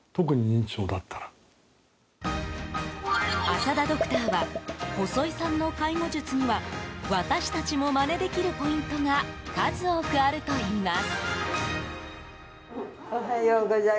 朝田ドクターは細井さんの介護術には私たちもまねできるポイントが数多くあるといいます。